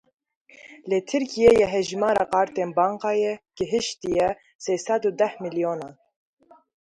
Li Tirkiyeyê hejmara kartên bankayê gîhiştiye sê sed û deh milyonan.